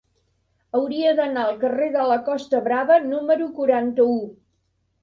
Hauria d'anar al carrer de la Costa Brava número quaranta-u.